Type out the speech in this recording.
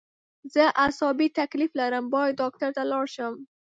زه عصابي تکلیف لرم باید ډاکټر ته لاړ شم